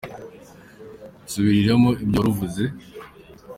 nsubirirramo ibyo waruvuze.